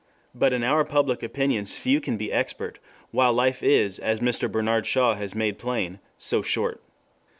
But in our public opinions few can be expert, while life is, as Mr. Bernard Shaw has made plain, so short.